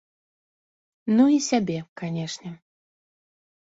Ну і сябе, канешне.